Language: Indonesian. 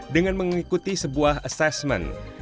dengan mengikuti sebuah assessment